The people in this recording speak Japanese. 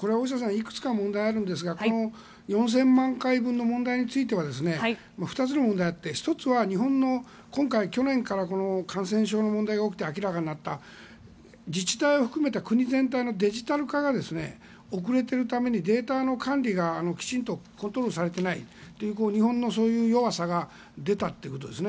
いくつか問題があるんですが４０００万回分の問題については２つの問題があって１つは日本の今回、去年から感染症の問題が起きて明らかになった自治体を含めた国全体のデジタル化が遅れているためにデータの管理がきちんとコントロールされていないという日本のそういう弱さが出たということですね。